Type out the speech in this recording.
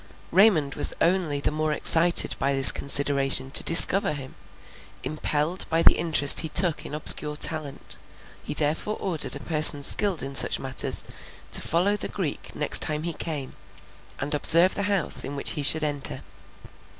Raymond was only the more excited by this consideration to discover him; impelled by the interest he took in obscure talent, he therefore ordered a person skilled in such matters, to follow the Greek the next time he came, and observe the house in which he should enter.